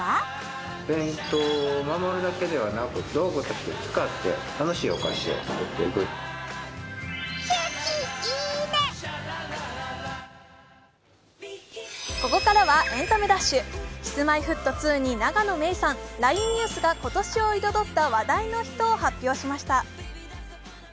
しかし、開発中はこんなこともここからは「エンタメダッシュ」、Ｋｉｓ−Ｍｙ−Ｆｔ２に永野芽郁さん、ＬＩＮＥニュースが今年を彩った話題の人を発表しました。